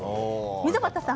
溝端さん